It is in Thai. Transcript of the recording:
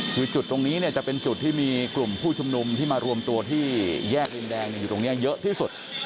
คือจุดตรงนี้เนี่ยจะเป็นจุดที่มีกลุ่มผู้ชุมนุมที่มารวมตัวที่แยกดินแดงอยู่ตรงนี้เยอะที่สุด